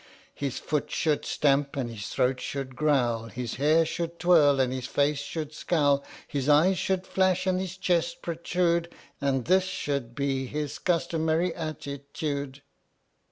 His foot should stamp and his throat should growl, His hair should twirl and his face should scowl, His eyes should flash and his chest protrude, And this should be his customary attitude.